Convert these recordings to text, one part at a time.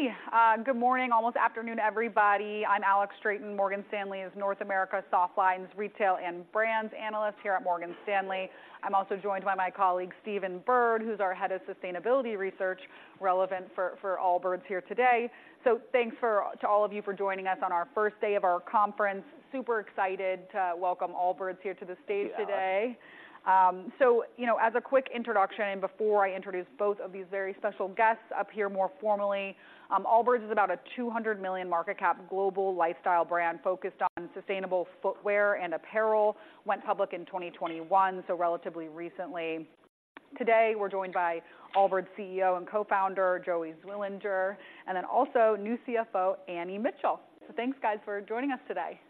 Okay, good morning, almost afternoon, everybody. I'm Alex Straton, Morgan Stanley's North America Softlines Retail and Brands Analyst here at Morgan Stanley. I'm also joined by my colleague, Stephen Byrd, who's our Head of Sustainability Research, relevant for Allbirds here today. So thanks to all of you for joining us on our first day of our conference. Super excited to welcome Allbirds here to the stage today. Yeah. So, you know, as a quick introduction, and before I introduce both of these very special guests up here more formally, Allbirds is about a $200 million market cap global lifestyle brand focused on sustainable footwear and apparel. Went public in 2021, so relatively recently. Today, we're joined by Allbirds' CEO and Co-founder, Joey Zwillinger, and then also new CFO, Annie Mitchell. So thanks, guys, for joining us today.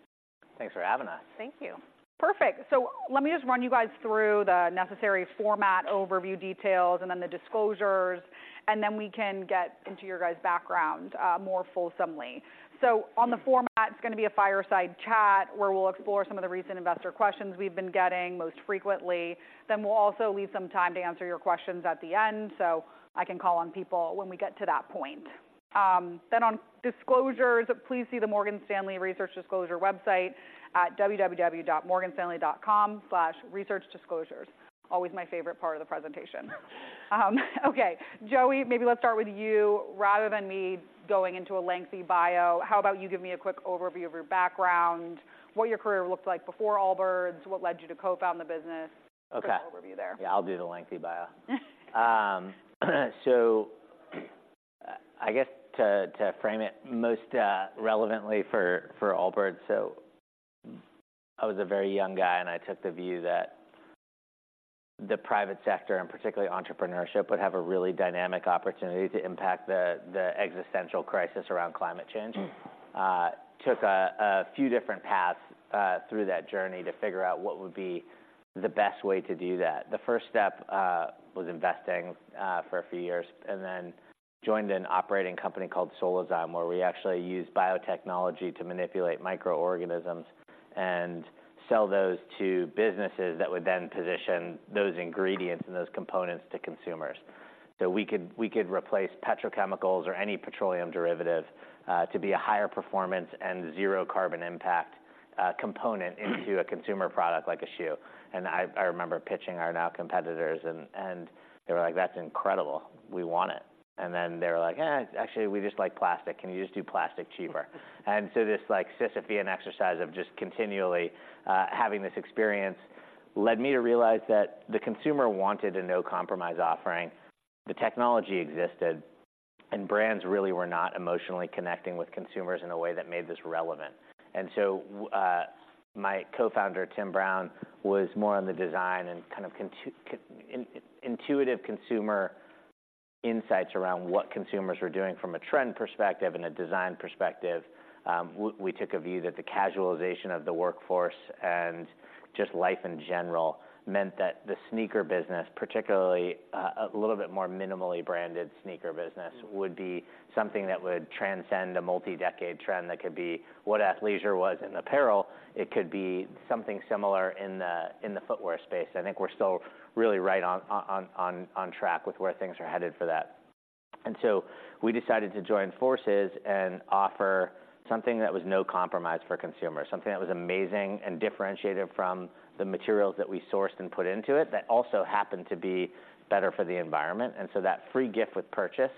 Thanks for having us. Thank you. Perfect! So let me just run you guys through the necessary format, overview details, and then the disclosures, and then we can get into your guys' background, more fulsomely. So on the format, it's gonna be a fireside chat, where we'll explore some of the recent investor questions we've been getting most frequently. Then we'll also leave some time to answer your questions at the end, so I can call on people when we get to that point. Then on disclosures, please see the Morgan Stanley Research Disclosure website at www.morganstanley.com/researchdisclosures. Always my favorite part of the presentation. Okay, Joey, maybe let's start with you. Rather than me going into a lengthy bio, how about you give me a quick overview of your background, what your career looked like before Allbirds, what led you to co-found the business? Okay. Quick overview there. Yeah, I'll do the lengthy bio. So I guess to frame it most relevantly for Allbirds, so I was a very young guy, and I took the view that the private sector, and particularly entrepreneurship, would have a really dynamic opportunity to impact the existential crisis around climate change. Took a few different paths through that journey to figure out what would be the best way to do that. The first step was investing for a few years, and then joined an operating company called Solazyme, where we actually used biotechnology to manipulate microorganisms and sell those to businesses that would then position those ingredients and those components to consumers. So we could replace petrochemicals or any petroleum derivative to be a higher performance and zero carbon impact component into a consumer product, like a shoe. I remember pitching our now competitors and they were like: "That's incredible. We want it." And then they were like: "Eh, actually, we just like plastic. Can you just do plastic cheaper?" And so this, like, Sisyphean exercise of just continually having this experience led me to realize that the consumer wanted a no-compromise offering, the technology existed, and brands really were not emotionally connecting with consumers in a way that made this relevant. And so my co-founder, Tim Brown, was more on the design and kind of intuitive consumer insights around what consumers were doing from a trend perspective and a design perspective. We took a view that the casualization of the workforce and just life in general meant that the sneaker business, particularly a little bit more minimally branded sneaker business, would be something that would transcend a multi-decade trend, that could be what athleisure was in apparel, it could be something similar in the footwear space. I think we're still really right on track with where things are headed for that. And so we decided to join forces and offer something that was no compromise for a consumer, something that was amazing and differentiated from the materials that we sourced and put into it, that also happened to be better for the environment. And so that free gift with purchase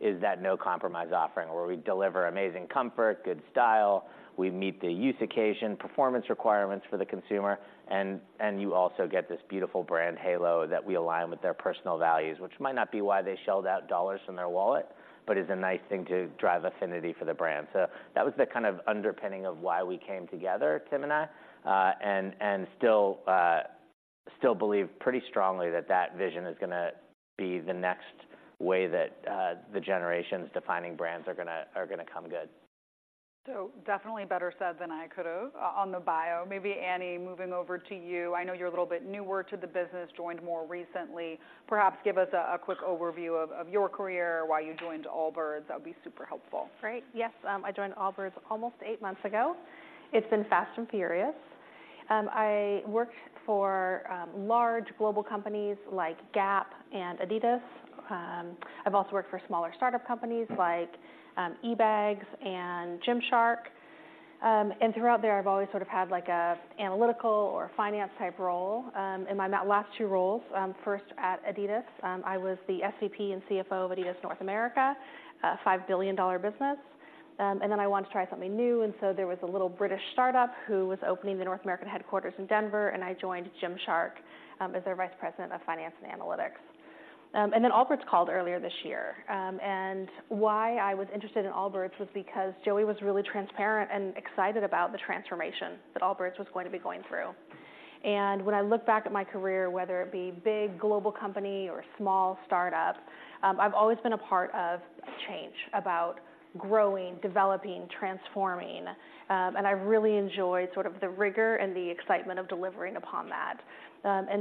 is that no-compromise offering, where we deliver amazing comfort, good style, we meet the use occasion, performance requirements for the consumer, and you also get this beautiful brand halo that we align with their personal values, which might not be why they shelled out dollars from their wallet, but is a nice thing to drive affinity for the brand. So that was the kind of underpinning of why we came together, Tim and I, and still believe pretty strongly that that vision is gonna be the next way that the generations defining brands are gonna come good. So definitely better said than I could have on the bio. Maybe, Annie, moving over to you, I know you're a little bit newer to the business, joined more recently. Perhaps give us a quick overview of your career, why you joined Allbirds. That would be super helpful. Great. Yes, I joined Allbirds almost 8 months ago. It's been fast and furious. I worked for large global companies like Gap and Adidas. I've also worked for smaller startup companies like eBags and Gymshark. And throughout there, I've always sort of had, like, an analytical or finance type role. In my last two roles, first at Adidas, I was the SVP and CFO of Adidas North America, a $5 billion business. And then I wanted to try something new, and so there was a little British startup who was opening their North American headquarters in Denver, and I joined Gymshark as their vice president of finance and analytics. And then Allbirds called earlier this year. Why I was interested in Allbirds was because Joey was really transparent and excited about the transformation that Allbirds was going to be going through. When I look back at my career, whether it be big global company or small startup, I've always been a part of change, about growing, developing, transforming, and I've really enjoyed sort of the rigor and the excitement of delivering upon that.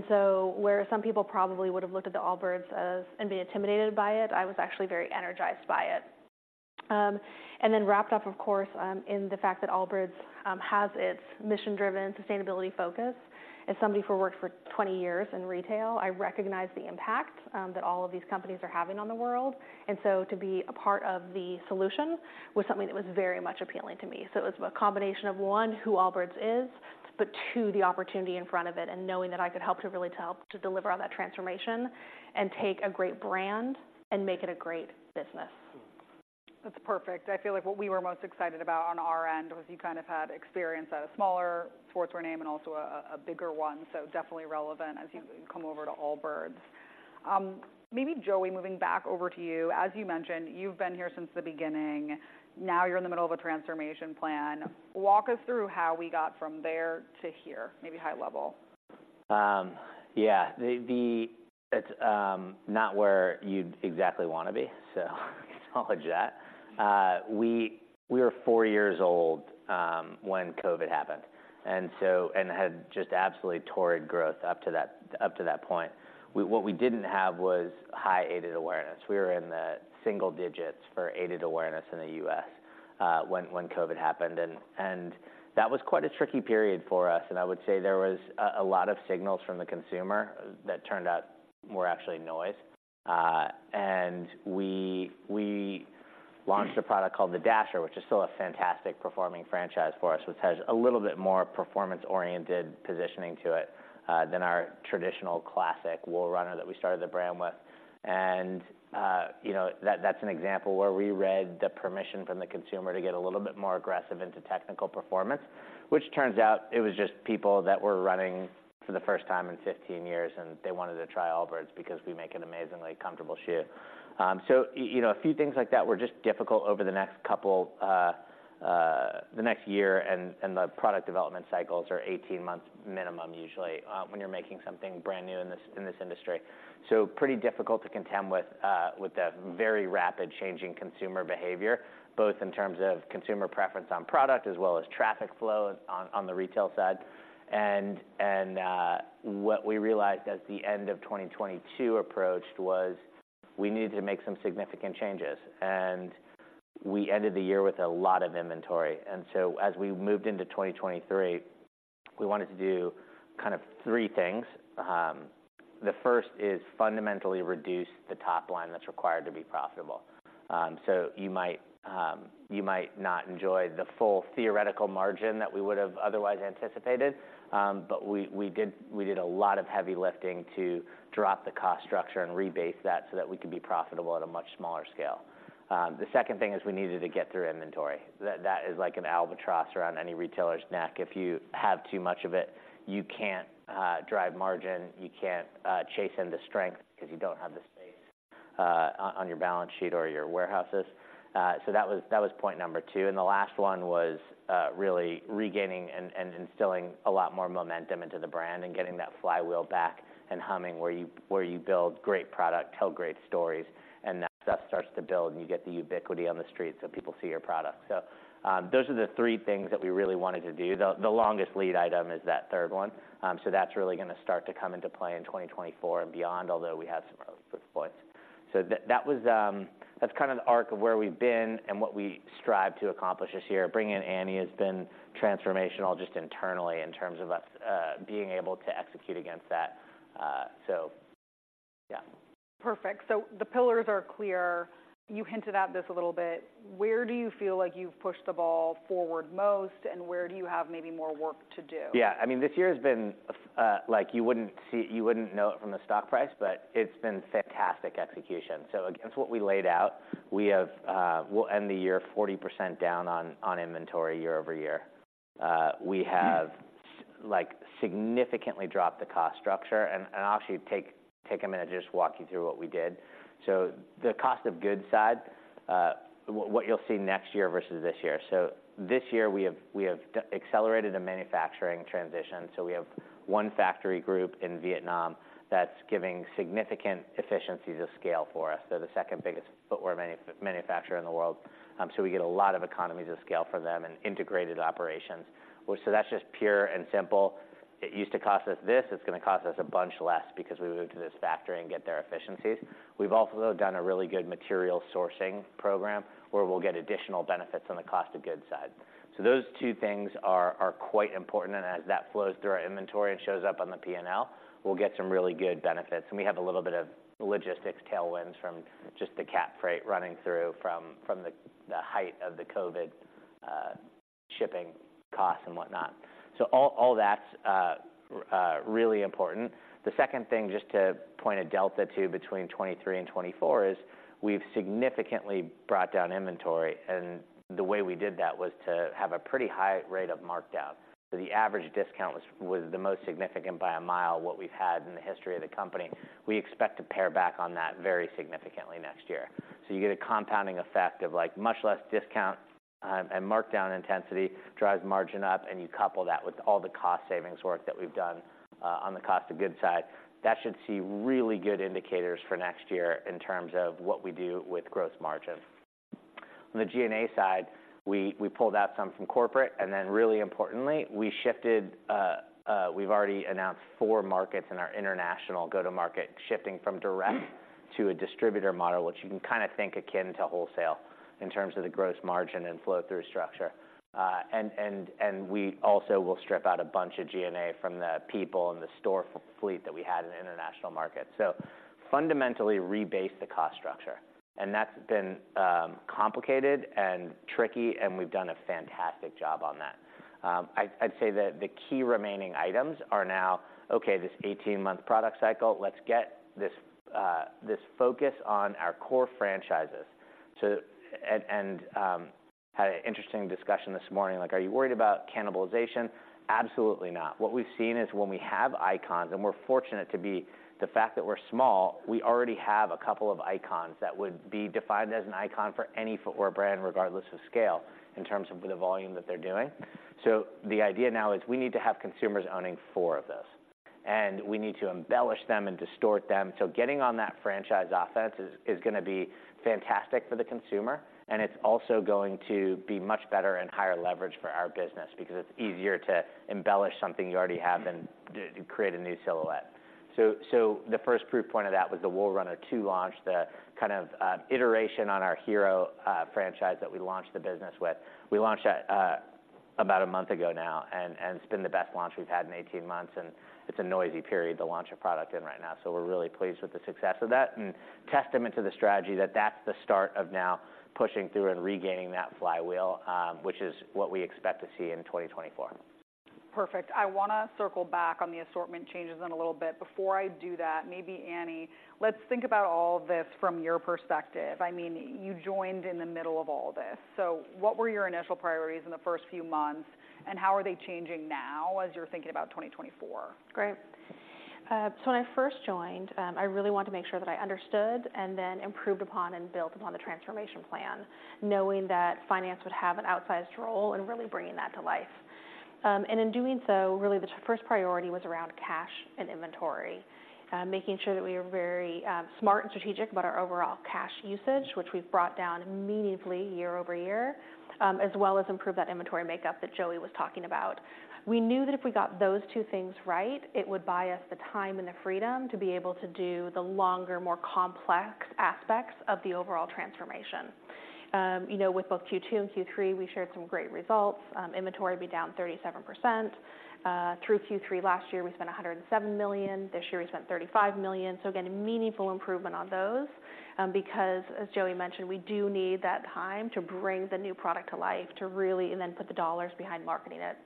So where some people probably would have looked at the Allbirds and been intimidated by it, I was actually very energized by it. Then wrapped up, of course, in the fact that Allbirds has its mission-driven sustainability focus. As somebody who worked for 20 years in retail, I recognize the impact that all of these companies are having on the world. To be a part of the solution was something that was very much appealing to me. It was a combination of, one, who Allbirds is, but two, the opportunity in front of it, and knowing that I could help to really help to deliver on that transformation and take a great brand and make it a great business. That's perfect. I feel like what we were most excited about on our end was you kind of had experience at a smaller sportswear name and also a bigger one, so definitely relevant as you- Yeah Come over to Allbirds. Maybe Joey, moving back over to you. As you mentioned, you've been here since the beginning. Now you're in the middle of a transformation plan. Walk us through how we got from there to here, maybe high level. Yeah. The, it's not where you'd exactly wanna be, so acknowledge that. We were four years old when COVID happened, and so, and had just absolutely torrid growth up to that point. What we didn't have was high aided awareness. We were in the single digits for aided awareness in the U.S. when COVID happened, and that was quite a tricky period for us. And I would say there was a lot of signals from the consumer that turned out were actually noise. And we launched a product called the Dasher, which is still a fantastic performing franchise for us, which has a little bit more performance-oriented positioning to it than our traditional classic Wool Runner that we started the brand with. You know, that's an example where we read the permission from the consumer to get a little bit more aggressive into technical performance, which turns out it was just people that were running for the first time in 15 years, and they wanted to try Allbirds because we make an amazingly comfortable shoe. So you know, a few things like that were just difficult over the next couple, the next year, and the product development cycles are 18 months minimum, usually, when you're making something brand new in this industry. So pretty difficult to contend with, with the very rapid changing consumer behavior, both in terms of consumer preference on product, as well as traffic flow on the retail side. What we realized as the end of 2022 approached was, we needed to make some significant changes, and we ended the year with a lot of inventory. So as we moved into 2023, we wanted to do kind of three things. The first is fundamentally reduce the top line that's required to be profitable. So you might not enjoy the full theoretical margin that we would have otherwise anticipated, but we, we did, we did a lot of heavy lifting to drop the cost structure and rebase that, so that we could be profitable at a much smaller scale. The second thing is, we needed to get through inventory. That, that is like an albatross around any retailer's neck. If you have too much of it, you can't drive margin, you can't chase into strength because you don't have the space on your balance sheet or your warehouses. So that was point number two. And the last one was really regaining and instilling a lot more momentum into the brand, and getting that flywheel back and humming, where you build great product, tell great stories, and that stuff starts to build, and you get the ubiquity on the street, so people see your product. So those are the three things that we really wanted to do, though. The longest lead item is that third one, so that's really gonna start to come into play in 2024 and beyond, although we have some early quick points. So that was. That's kind of the arc of where we've been and what we strive to accomplish this year. Bringing in Annie has been transformational just internally, in terms of us being able to execute against that. So, yeah. Perfect. So the pillars are clear. You hinted at this a little bit. Where do you feel like you've pushed the ball forward most, and where do you have maybe more work to do? Yeah. I mean, this year has been, like, you wouldn't know it from the stock price, but it's been fantastic execution. So against what we laid out, we have, we'll end the year 40% down on, on inventory year-over-year. We have, like, significantly dropped the cost structure. And, and I'll actually take a minute to just walk you through what we did. So the cost of goods side, what you'll see next year versus this year. So this year, we have accelerated a manufacturing transition, so we have one factory group in Vietnam that's giving significant efficiencies of scale for us. They're the second biggest footwear manufacturer in the world, so we get a lot of economies of scale from them and integrated operations. So that's just pure and simple. It used to cost us this, it's gonna cost us a bunch less because we moved to this factory and get their efficiencies. We've also done a really good material sourcing program, where we'll get additional benefits on the cost of goods side. So those two things are quite important, and as that flows through our inventory and shows up on the P&L, we'll get some really good benefits. And we have a little bit of logistics tailwinds from just the container freight running through from the height of the COVID shipping costs and whatnot. So all that's really important. The second thing, just to point a delta to between 2023 and 2024, is we've significantly brought down inventory, and the way we did that was to have a pretty high rate of markdown. So the average discount was the most significant by a mile, what we've had in the history of the company. We expect to pare back on that very significantly next year. So you get a compounding effect of, like, much less discount, and markdown intensity drives margin up, and you couple that with all the cost savings work that we've done, on the cost of goods side. That should see really good indicators for next year in terms of what we do with gross margin. On the G&A side, we pulled out some from corporate, and then really importantly, we shifted. We've already announced four markets in our international go-to-market, shifting from direct to a distributor model, which you can kind of think akin to wholesale in terms of the gross margin and flow-through structure. And we also will strip out a bunch of G&A from the people and the store fleet that we had in the international market. So fundamentally, rebase the cost structure, and that's been complicated and tricky, and we've done a fantastic job on that. I'd say that the key remaining items are now: Okay, this 18-month product cycle, let's get this focus on our core franchises. And had an interesting discussion this morning, like, are you worried about cannibalization? Absolutely not. What we've seen is when we have icons, and we're fortunate to be the fact that we're small, we already have a couple of icons that would be defined as an icon for any footwear brand, regardless of scale, in terms of the volume that they're doing. So the idea now is we need to have consumers owning four of this, and we need to embellish them and distort them. So getting on that franchise offense is gonna be fantastic for the consumer, and it's also going to be much better and higher leverage for our business because it's easier to embellish something you already have than to create a new silhouette. So the first proof point of that was the Wool Runner 2 launch, the kind of iteration on our hero franchise that we launched the business with. We launched that about a month ago now, and it's been the best launch we've had in 18 months, and it's a noisy period to launch a product in right now. We're really pleased with the success of that, and testament to the strategy that that's the start of now pushing through and regaining that flywheel, which is what we expect to see in 2024. Perfect. I wanna circle back on the assortment changes in a little bit. Before I do that, maybe Annie, let's think about all this from your perspective. I mean, you joined in the middle of all this. So what were your initial priorities in the first few months, and how are they changing now as you're thinking about 2024? Great. So when I first joined, I really wanted to make sure that I understood and then improved upon and built upon the transformation plan, knowing that finance would have an outsized role in really bringing that to life. And in doing so, really the first priority was around cash and inventory, making sure that we were very smart and strategic about our overall cash usage, which we've brought down meaningfully year-over-year, as well as improve that inventory makeup that Joey was talking about. We knew that if we got those two things right, it would buy us the time and the freedom to be able to do the longer, more complex aspects of the overall transformation. You know, with both Q2 and Q3, we shared some great results. Inventory will be down 37%. Through Q3 last year, we spent $107 million. This year, we spent $35 million. So again, a meaningful improvement on those, because, as Joey mentioned, we do need that time to bring the new product to life, to really and then put the dollars behind marketing it.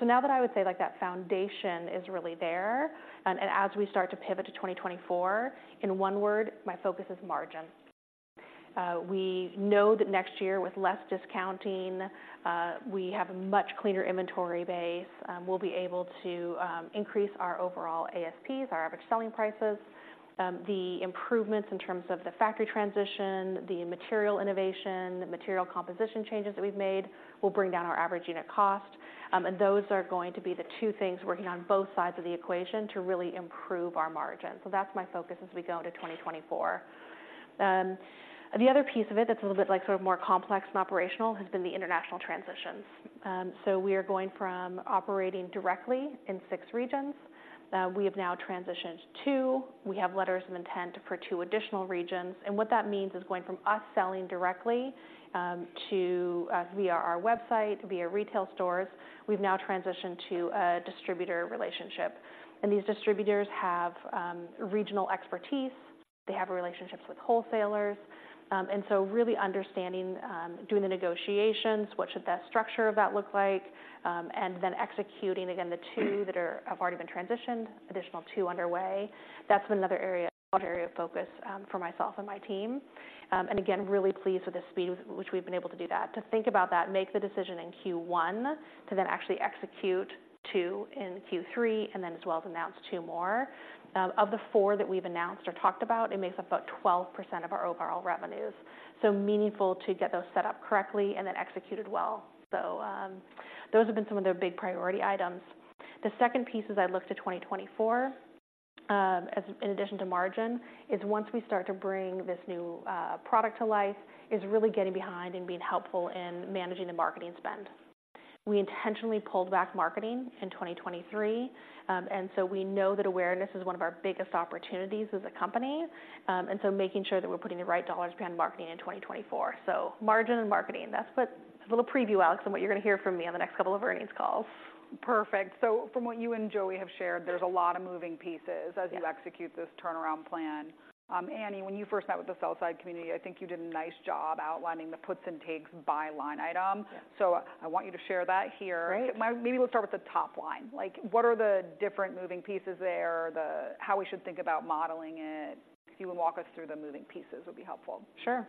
So now that I would say, like, that foundation is really there, and, and as we start to pivot to 2024, in one word, my focus is margin. We know that next year, with less discounting, we have a much cleaner inventory base. We'll be able to increase our overall ASPs, our average selling prices. The improvements in terms of the factory transition, the material innovation, the material composition changes that we've made will bring down our average unit cost. And those are going to be the two things working on both sides of the equation to really improve our margin. So that's my focus as we go into 2024. The other piece of it that's a little bit, like, sort of more complex and operational, has been the international transitions. So we are going from operating directly in six regions. We have now transitioned to two. We have letters of intent for two additional regions, and what that means is going from us selling directly to via our website, via retail stores. We've now transitioned to a distributor relationship, and these distributors have regional expertise. They have relationships with wholesalers. And so really understanding, doing the negotiations, what should that structure of that look like? And then executing again, the two that are... have already been transitioned, additional two underway. That's been another area, area of focus, for myself and my team. And again, really pleased with the speed with which we've been able to do that. To think about that, make the decision in Q1, to then actually execute two in Q3, and then as well, to announce two more. Of the four that we've announced or talked about, it makes up about 12% of our overall revenues, so meaningful to get those set up correctly and then executed well. So, those have been some of the big priority items. The second piece, as I look to 2024, as in addition to margin, is once we start to bring this new, product to life, is really getting behind and being helpful in managing the marketing spend. We intentionally pulled back marketing in 2023, and so we know that awareness is one of our biggest opportunities as a company, and so making sure that we're putting the right dollars behind marketing in 2024. So margin and marketing, that's what. A little preview, Alex, on what you're gonna hear from me on the next couple of earnings calls. Perfect. From what you and Joey have shared, there's a lot of moving pieces. As you execute this turnaround plan. Annie, when you first met with the sell side community, I think you did a nice job outlining the puts and takes by line item. Yeah. I want you to share that here. Great. Maybe let's start with the top line. Like, what are the different moving pieces there? How we should think about modeling it? If you would walk us through the moving pieces, would be helpful. Sure.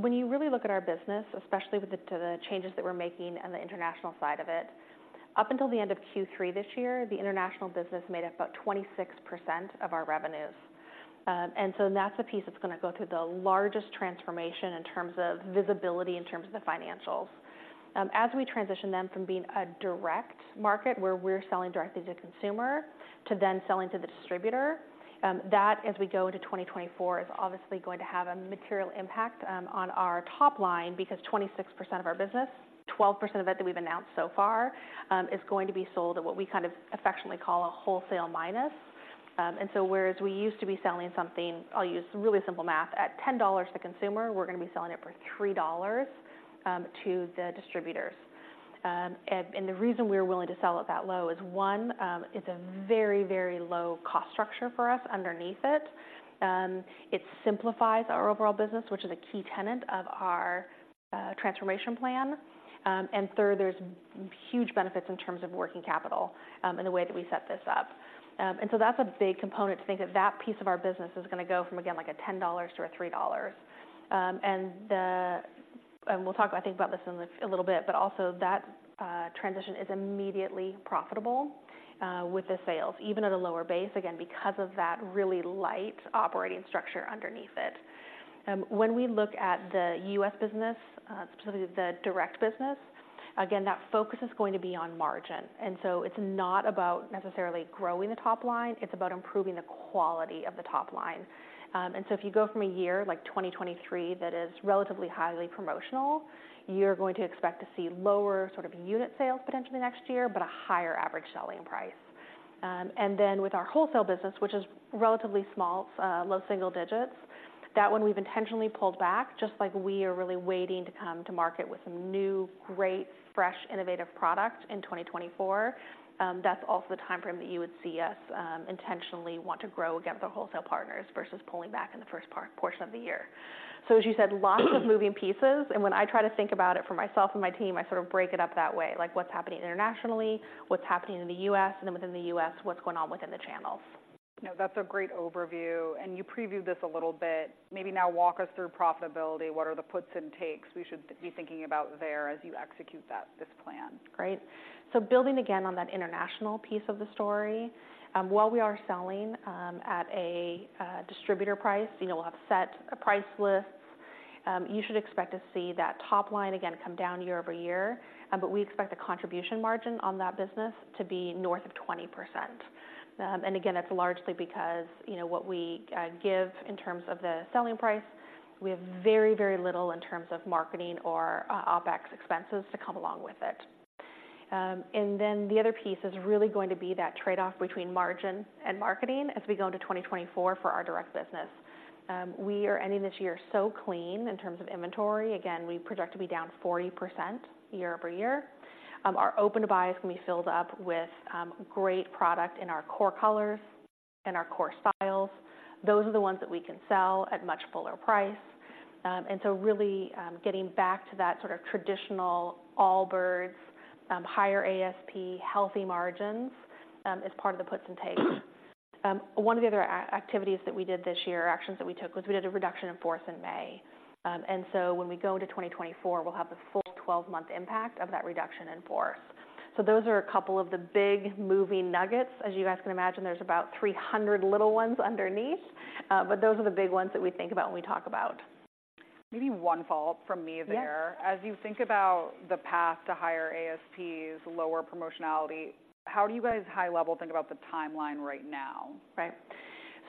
When you really look at our business, especially with the changes that we're making on the international side of it, up until the end of Q3 this year, the international business made up about 26% of our revenues. And so that's the piece that's gonna go through the largest transformation in terms of visibility, in terms of the financials. As we transition then from being a direct market, where we're selling directly to consumer, to then selling to the distributor, that, as we go to 2024, is obviously going to have a material impact on our top line, because 26% of our business, 12% of it that we've announced so far, is going to be sold at what we kind of affectionately call a wholesale minus. And so whereas we used to be selling something, I'll use some really simple math, at $10 to consumer, we're going to be selling it for $3 to the distributors. And the reason we are willing to sell it that low is, one, it's a very, very low cost structure for us underneath it. It simplifies our overall business, which is a key tenet of our transformation plan. And third, there's huge benefits in terms of working capital in the way that we set this up. And so that's a big component to think that that piece of our business is going to go from, again, like a $10 to a $3. and we'll talk, I think, about this in a little bit, but also that transition is immediately profitable with the sales, even at a lower base, again, because of that really light operating structure underneath it. When we look at the U.S. business, specifically the direct business, again, that focus is going to be on margin. So it's not about necessarily growing the top line, it's about improving the quality of the top line. So if you go from a year like 2023, that is relatively highly promotional, you're going to expect to see lower sort of unit sales potentially next year, but a higher average selling price. And then with our wholesale business, which is relatively small, low single digits, that one we've intentionally pulled back, just like we are really waiting to come to market with some new, great, fresh, innovative product in 2024. That's also the time frame that you would see us intentionally want to grow again with our wholesale partners versus pulling back in the first portion of the year. So as you said, lots of moving pieces, and when I try to think about it for myself and my team, I sort of break it up that way, like, what's happening internationally, what's happening in the U.S., and then within the U.S., what's going on within the channels? No, that's a great overview, and you previewed this a little bit. Maybe now walk us through profitability. What are the puts and takes we should be thinking about there as you execute that, this plan? Great. So building again on that international piece of the story, while we are selling at a distributor price, you know, we'll have set price lists. You should expect to see that top line again come down year-over-year, but we expect a contribution margin on that business to be north of 20%. And again, it's largely because, you know, what we give in terms of the selling price, we have very, very little in terms of marketing or OpEx expenses to come along with it. And then the other piece is really going to be that trade-off between margin and marketing as we go into 2024 for our direct business. We are ending this year so clean in terms of inventory. Again, we project to be down 40% year-over-year. Our open-to-buy is going to be filled up with great product in our core colors and our core styles. Those are the ones that we can sell at much fuller price. And so really, getting back to that sort of traditional Allbirds, higher ASP, healthy margins, is part of the puts and takes. One of the other activities that we did this year, or actions that we took, was we did a reduction in force in May. And so when we go into 2024, we'll have the full 12-month impact of that reduction in force. So those are a couple of the big moving nuggets. As you guys can imagine, there's about 300 little ones underneath, but those are the big ones that we think about when we talk about. Maybe one follow-up from me there. Yes. As you think about the path to higher ASPs, lower promotionality, how do you guys high level think about the timeline right now? Right.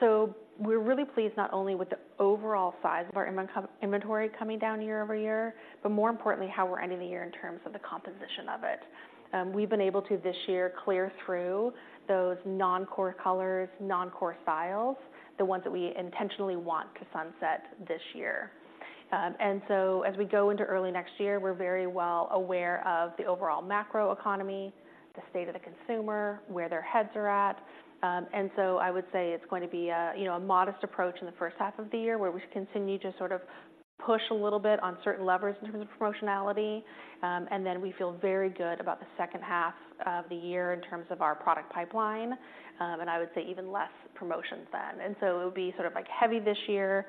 So we're really pleased not only with the overall size of our inventory coming down year-over-year, but more importantly, how we're ending the year in terms of the composition of it. We've been able to, this year, clear through those non-core colors, non-core styles, the ones that we intentionally want to sunset this year. And so as we go into early next year, we're very well aware of the overall macro economy, the state of the consumer, where their heads are at. And so I would say it's going to be a, you know, a modest approach in the first half of the year, where we continue to sort of push a little bit on certain levers in terms of promotionality. And then we feel very good about the second half of the year in terms of our product pipeline, and I would say even less promotions then. And so it'll be sort of, like, heavy this year,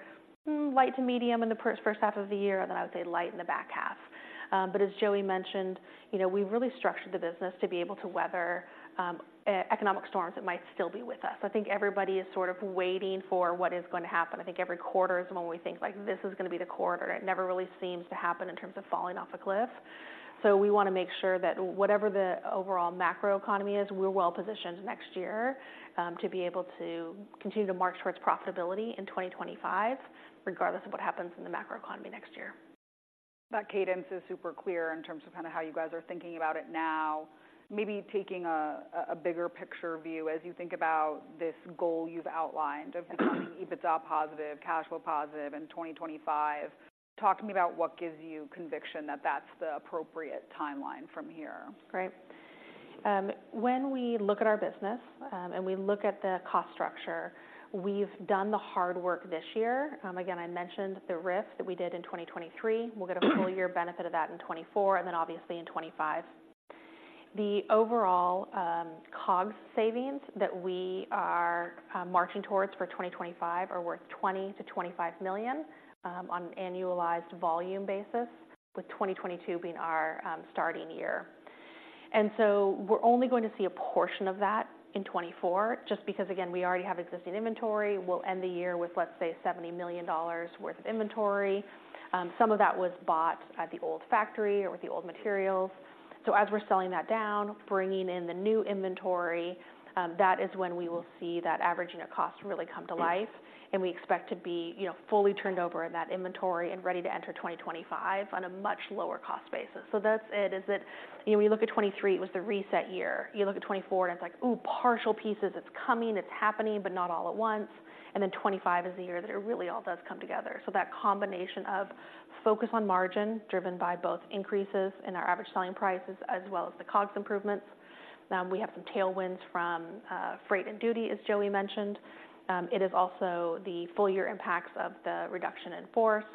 light to medium in the first half of the year, and then I would say light in the back half. But as Joey mentioned, you know, we've really structured the business to be able to weather economic storms that might still be with us. I think everybody is sort of waiting for what is going to happen. I think every quarter is when we think, like, this is going to be the quarter, and it never really seems to happen in terms of falling off a cliff. We want to make sure that whatever the overall macro economy is, we're well positioned next year to be able to continue to march towards profitability in 2025, regardless of what happens in the macro economy next year. That cadence is super clear in terms of kind of how you guys are thinking about it now. Maybe taking a bigger picture view as you think about this goal you've outlined of becoming EBITDA positive, cash flow positive in 2025. Talk to me about what gives you conviction that that's the appropriate timeline from here. Great. When we look at our business, and we look at the cost structure, we've done the hard work this year. Again, I mentioned the RIF that we did in 2023. We'll get a full year benefit of that in 2024, and then obviously in 2025. The overall, COGS savings that we are marching towards for 2025 are worth $20-$25 million on an annualized volume basis, with 2022 being our starting year. And so we're only going to see a portion of that in 2024, just because, again, we already have existing inventory. We'll end the year with, let's say, $70 million worth of inventory. Some of that was bought at the old factory or with the old materials. So as we're selling that down, bringing in the new inventory, that is when we will see that average unit cost really come to life, and we expect to be, you know, fully turned over in that inventory and ready to enter 2025 on a much lower cost basis. So that's it, you know, when you look at 2023, it was the reset year. You look at 2024, and it's like, ooh, partial pieces. It's coming, it's happening, but not all at once. And then 2025 is the year that it really all does come together. So that combination of focus on margin, driven by both increases in our average selling prices as well as the COGS improvements. We have some tailwinds from freight and duty, as Joey mentioned. It is also the full year impacts of the reduction in force.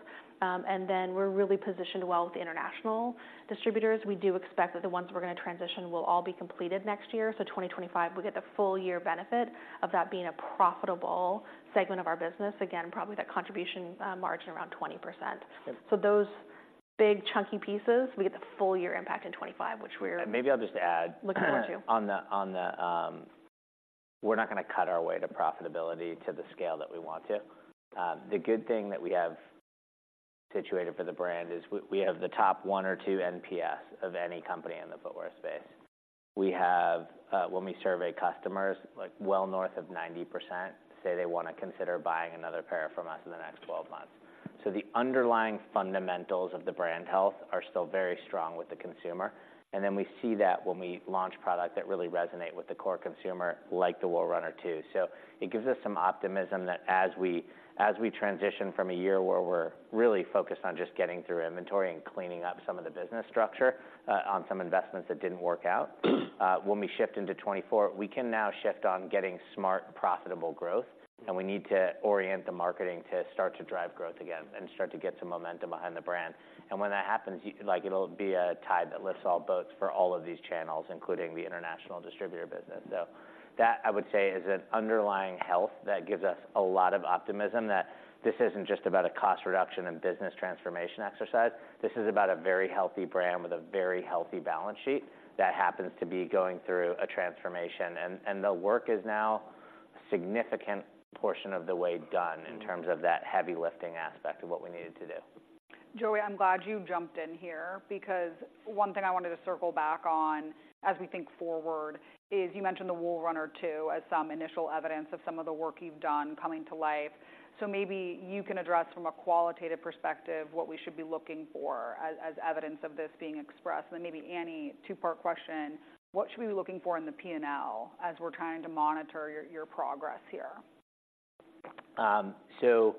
And then we're really positioned well with the international distributors. We do expect that the ones we're gonna transition will all be completed next year. So 2025, we'll get the full year benefit of that being a profitable segment of our business. Again, probably that contribution margin around 20%. So those big chunky pieces, we get the full year impact in 2025, which we're- Maybe I'll just add- Looking forward to. We're not gonna cut our way to profitability to the scale that we want to. The good thing that we have situated for the brand is we have the top one or two NPS of any company in the footwear space. We have, when we survey customers, like, well north of 90% say they wanna consider buying another pair from us in the next twelve months. So the underlying fundamentals of the brand health are still very strong with the consumer, and then we see that when we launch product that really resonate with the core consumer, like the Wool Runner 2. So it gives us some optimism that as we, as we transition from a year where we're really focused on just getting through inventory and cleaning up some of the business structure, on some investments that didn't work out, when we shift into 2024, we can now shift on getting smart, profitable growth. And we need to orient the marketing to start to drive growth again and start to get some momentum behind the brand. And when that happens, you—like, it'll be a tide that lifts all boats for all of these channels, including the international distributor business. So that, I would say, is an underlying health that gives us a lot of optimism, that this isn't just about a cost reduction and business transformation exercise. This is about a very healthy brand with a very healthy balance sheet that happens to be going through a transformation. The work is now a significant portion of the way done in terms of that heavy lifting aspect of what we needed to do. Joey, I'm glad you jumped in here, because one thing I wanted to circle back on as we think forward is, you mentioned the Wool Runner 2 as some initial evidence of some of the work you've done coming to life. So maybe you can address, from a qualitative perspective, what we should be looking for as evidence of this being expressed. And then maybe, Annie, two-part question: what should we be looking for in the P&L as we're trying to monitor your, your progress here? So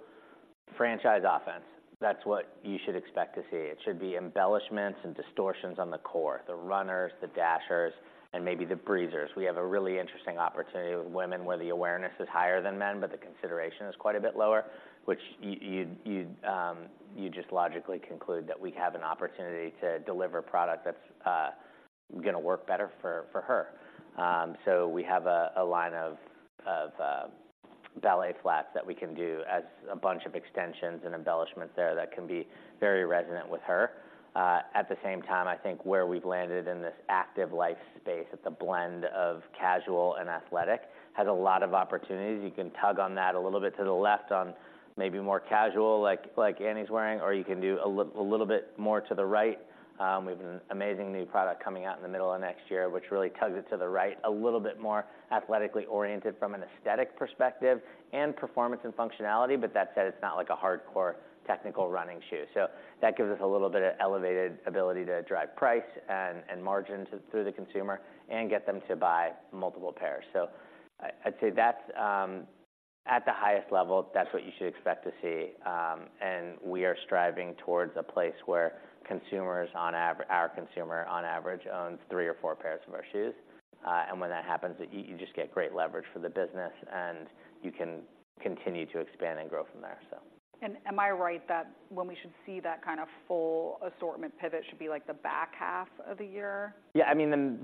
franchise offense, that's what you should expect to see. It should be embellishments and distortions on the core, the Runners, the Dashers, and maybe the Breezers. We have a really interesting opportunity with women, where the awareness is higher than men, but the consideration is quite a bit lower, which you just logically conclude that we have an opportunity to deliver a product that's gonna work better for her. So we have a line of ballet flats that we can do as a bunch of extensions and embellishments there that can be very resonant with her. At the same time, I think where we've landed in this active life space, at the blend of casual and athletic, has a lot of opportunities. You can tug on that a little bit to the left on maybe more casual, like, like Annie's wearing, or you can do a little bit more to the right. We have an amazing new product coming out in the middle of next year, which really tugs it to the right, a little bit more athletically oriented from an aesthetic perspective and performance and functionality. But that said, it's not like a hardcore technical running shoe. So that gives us a little bit of elevated ability to drive price and margin through the consumer and get them to buy multiple pairs. So I, I'd say that's, at the highest level, that's what you should expect to see. And we are striving towards a place where consumers on our consumer, on average, owns three or four pairs of our shoes. And when that happens, you just get great leverage for the business, and you can continue to expand and grow from there, so. Am I right that when we should see that kind of full assortment pivot should be, like, the back half of the year? Yeah, I mean,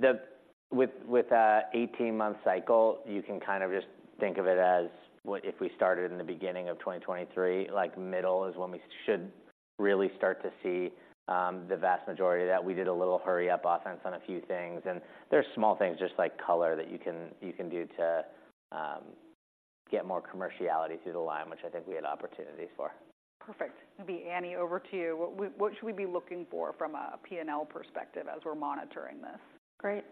with an 18-month cycle, you can kind of just think of it as what if we started in the beginning of 2023, like, middle is when we should really start to see the vast majority of that. We did a little hurry-up offense on a few things, and there are small things, just like color, that you can do to get more commerciality through the line, which I think we had opportunities for. Perfect. Maybe Annie, over to you. What should we be looking for from a P&L perspective as we're monitoring this? Great.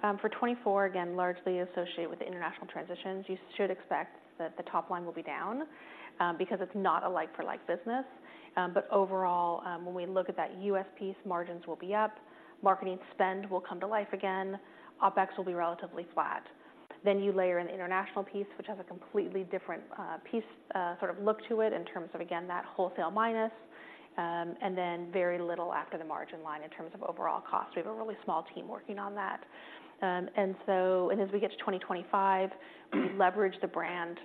For 2024, again, largely associated with the international transitions, you should expect that the top line will be down, because it's not a like for like business. But overall, when we look at that U.S. piece, margins will be up, marketing spend will come to life again, OpEx will be relatively flat. Then you layer in the international piece, which has a completely different piece sort of look to it in terms of, again, that wholesale minus, and then very little after the margin line in terms of overall cost. We have a really small team working on that. And so, and as we get to 2025, we leverage the brand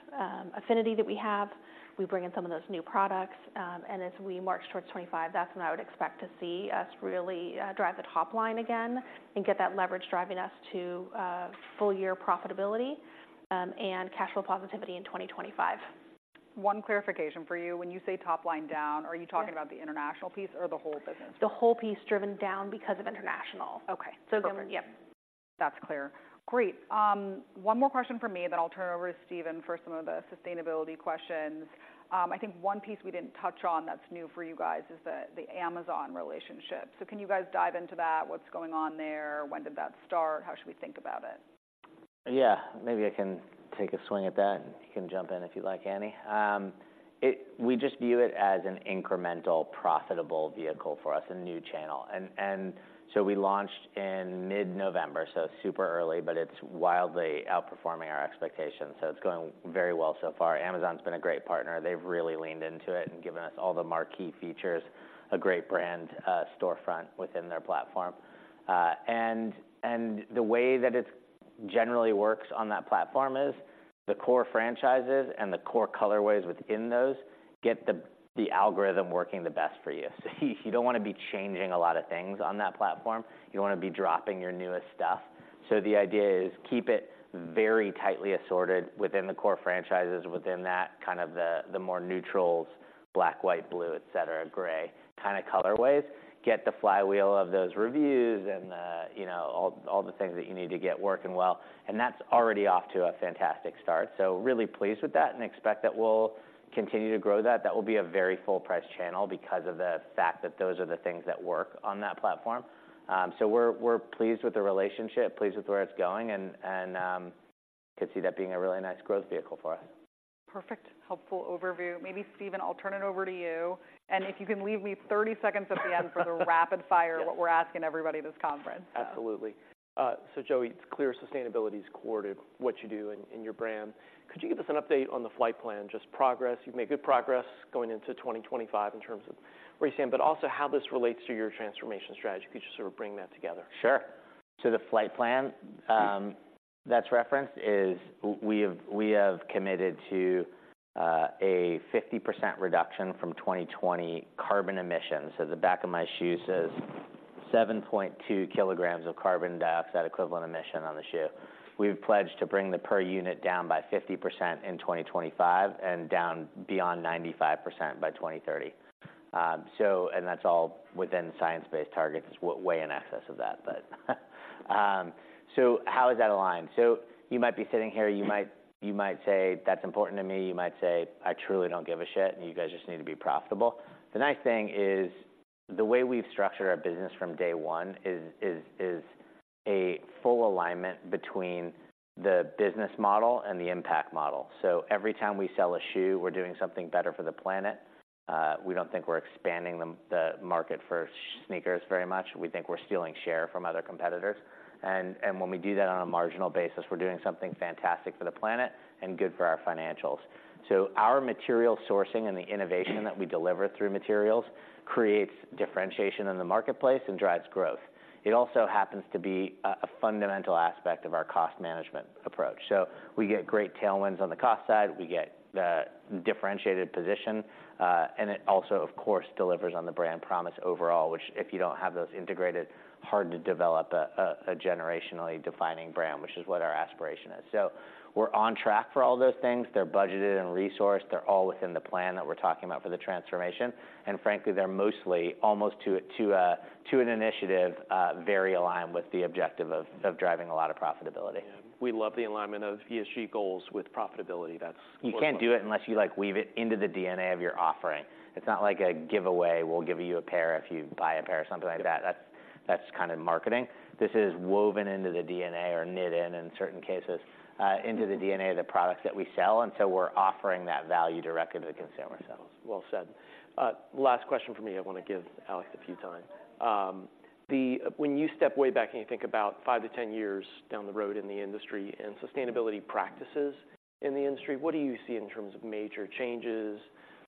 affinity that we have. We bring in some of those new products. As we march towards 2025, that's when I would expect to see us really drive the top line again and get that leverage driving us to full year profitability, and cash flow positivity in 2025. One clarification for you. When you say top line down, are you talking about the international piece or the whole business? The whole piece driven down because of international. Okay, perfect. So, yeah. That's clear. Great. One more question from me, then I'll turn it over to Stephen for some of the sustainability questions. I think one piece we didn't touch on that's new for you guys is the, the Amazon relationship. So can you guys dive into that? What's going on there? When did that start? How should we think about it? Yeah, maybe I can take a swing at that, and you can jump in if you'd like, Annie. We just view it as an incremental, profitable vehicle for us, a new channel. And so we launched in mid-November, so super early, but it's wildly outperforming our expectations, so it's going very well so far. Amazon's been a great partner. They've really leaned into it and given us all the marquee features, a great brand, storefront within their platform. And the way that it's generally works on that platform is, the core franchises and the core colorways within those get the algorithm working the best for you. So you don't wanna be changing a lot of things on that platform. You wanna be dropping your newest stuff. So the idea is keep it very tightly assorted within the core franchises, within that kind of the more neutrals: black, white, blue, et cetera, gray, kinda colorways. Get the flywheel of those reviews and, you know, all the things that you need to get working well, and that's already off to a fantastic start. So really pleased with that, and expect that we'll continue to grow that. That will be a very full price channel because of the fact that those are the things that work on that platform. So we're pleased with the relationship, pleased with where it's going, and could see that being a really nice growth vehicle for us. Perfect. Helpful overview. Maybe, Stephen, I'll turn it over to you. And if you can leave me 30 seconds at the end for the rapid fire, what we're asking everybody this conference. Absolutely. So Joey, it's clear sustainability is core to what you do in your brand. Could you give us an update on the flight plan, just progress? You've made good progress going into 2025 in terms of where you stand, but also how this relates to your transformation strategy. Could you just sort of bring that together? Sure. So the flight plan that's referenced is we have committed to a 50% reduction from 2020 carbon emissions. So the back of my shoe says 7.2 kilograms of carbon dioxide equivalent emission on the shoe. We've pledged to bring the per unit down by 50% in 2025, and down beyond 95% by 2030. And that's all within Science-Based Targets. It's way in excess of that. But how is that aligned? So you might be sitting here, you might say, "That's important to me." You might say, "I truly don't give a shit, and you guys just need to be profitable." The nice thing is, the way we've structured our business from day one is a full alignment between the business model and the impact model. So every time we sell a shoe, we're doing something better for the planet. We don't think we're expanding the market for sneakers very much. We think we're stealing share from other competitors. And when we do that on a marginal basis, we're doing something fantastic for the planet and good for our financials. So our material sourcing and the innovation that we deliver through materials creates differentiation in the marketplace and drives growth. It also happens to be a fundamental aspect of our cost management approach. So we get great tailwinds on the cost side, we get the differentiated position, and it also, of course, delivers on the brand promise overall, which if you don't have those integrated, hard to develop a generationally defining brand, which is what our aspiration is. So we're on track for all those things. They're budgeted and resourced. They're all within the plan that we're talking about for the transformation, and frankly, they're mostly almost to an initiative, very aligned with the objective of driving a lot of profitability. Yeah. We love the alignment of ESG goals with profitability. That's- You can't do it unless you, like, weave it into the DNA of your offering. It's not like a giveaway, "We'll give you a pair if you buy a pair," or something like that. That's kind of marketing. This is woven into the DNA or knit in certain cases into the DNA of the products that we sell, and so we're offering that value directly to the consumer. So... Well said. Last question from me. I wanna give Alex a few time. When you step way back and you think about 5-10 years down the road in the industry and sustainability practices in the industry, what do you see in terms of major changes,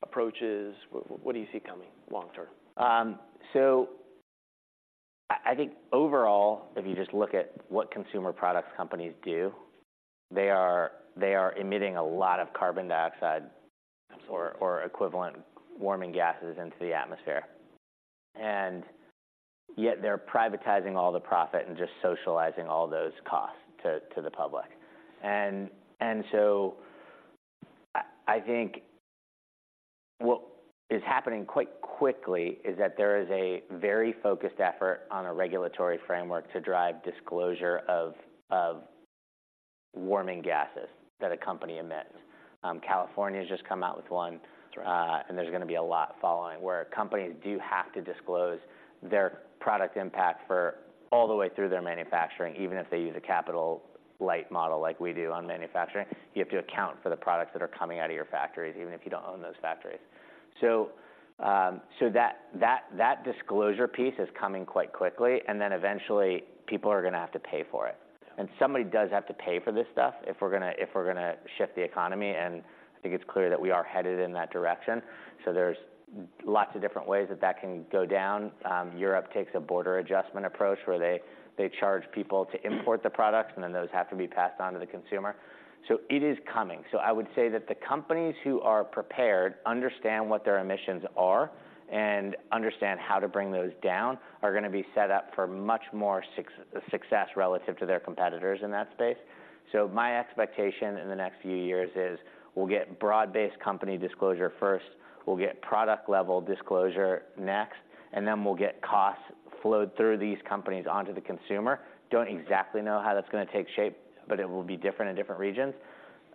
approaches? What do you see coming long term? So I think overall, if you just look at what consumer products companies do, they are emitting a lot of carbon dioxide or equivalent warming gases into the atmosphere, and yet they're privatizing all the profit and just socializing all those costs to the public. And so I think what is happening quite quickly is that there is a very focused effort on a regulatory framework to drive disclosure of warming gases that a company emits. California has just come out with one- And there's gonna be a lot following, where companies do have to disclose their product impact all the way through their manufacturing, even if they use a capital light model like we do on manufacturing. You have to account for the products that are coming out of your factories, even if you don't own those factories. So, that disclosure piece is coming quite quickly, and then eventually people are gonna have to pay for it. Yeah. And somebody does have to payor this stuff if we're gonna, if we're gonna shift the economy, and I think it's clear that we are headed in that direction. So there's lots of different ways that that can go down. Europe takes a border adjustment approach, where they, they charge people to import the products, and then those have to be passed on to the consumer. So it is coming. So I would say that the companies who are prepared, understand what their emissions are, and understand how to bring those down, are gonna be set up for much more success relative to their competitors in that space. So my expectation in the next few years is, we'll get broad-based company disclosure first, we'll get product-level disclosure next, and then we'll get costs flowed through these companies onto the consumer. don't exactly know how that's gonna take shape, but it will be different in different regions.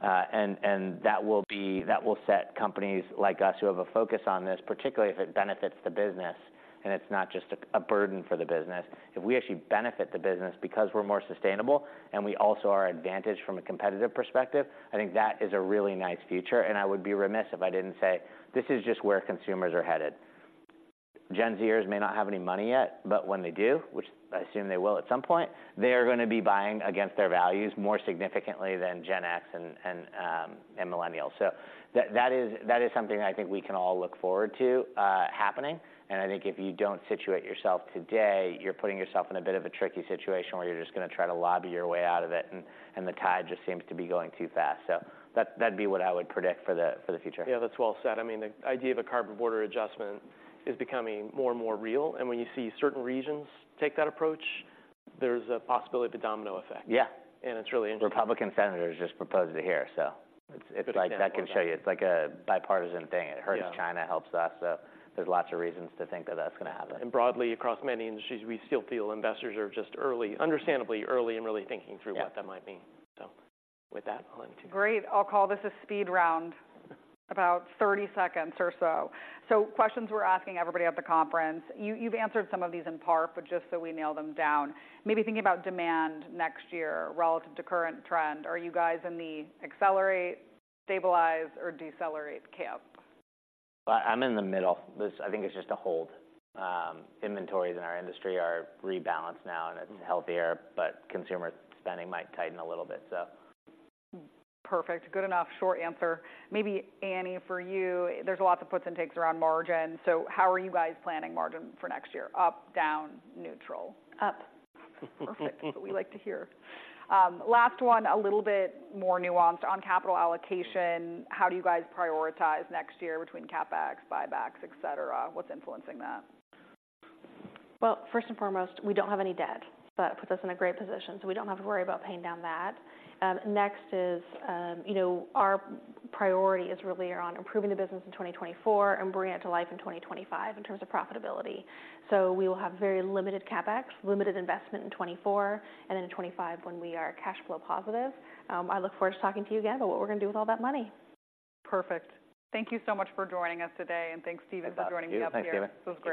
And that will be, that will set companies like us who have a focus on this, particularly if it benefits the business, and it's not just a burden for the business. If we actually benefit the business because we're more sustainable, and we also are advantaged from a competitive perspective, I think that is a really nice future, and I would be remiss if I didn't say, this is just where consumers are headed. Gen Z-ers may not have any money yet, but when they do, which I assume they will at some point, they are gonna be buying against their values more significantly than Gen X and Millennials. So that is something I think we can all look forward to happening, and I think if you don't situate yourself today, you're putting yourself in a bit of a tricky situation where you're just gonna try to lobby your way out of it, and the tide just seems to be going too fast. So that'd be what I would predict for the future. Yeah, that's well said. I mean, the idea of a carbon border adjustment is becoming more and more real, and when you see certain regions take that approach, there's a possibility of a domino effect. Yeah. It's really interesting. Republican senators just proposed it here, so it's- Understandable That can show you. It's like a bipartisan thing. Yeah. It hurts China, helps us, so there's lots of reasons to think that that's gonna happen. Broadly, across many industries, we still feel investors are just early, understandably early, in really thinking through- Yeah what that might mean. So with that, I'll end. Great. I'll call this a speed round, about 30 seconds or so. So questions we're asking everybody at the conference. You, you've answered some of these in part, but just so we nail them down, maybe thinking about demand next year relative to current trend, are you guys in the accelerate, stabilize, or decelerate camp? I'm in the middle. This, I think it's just a hold. Inventories in our industry are rebalanced now, and it's healthier, but consumer spending might tighten a little bit, so. Perfect. Good enough. Short answer. Maybe Annie, for you, there's lots of puts and takes around margin, so how are you guys planning margin for next year? Up, down, neutral? Up. Perfect. We like to hear. Last one, a little bit more nuanced. On capital allocation, how do you guys prioritize next year between CapEx, buybacks, et cetera? What's influencing that? Well, first and foremost, we don't have any debt. That puts us in a great position, so we don't have to worry about paying down that. Next is, you know, our priority is really on improving the business in 2024 and bringing it to life in 2025 in terms of profitability. So we will have very limited CapEx, limited investment in 2024, and then in 2025, when we are cash flow positive, I look forward to talking to you again about what we're gonna do with all that money. Perfect. Thank you so much for joining us today, and thanks, Stephen, for joining me up here. Thanks, Stephen.